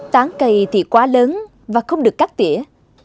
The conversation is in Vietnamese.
tán cây thì quá lớn và không được cắt tỉa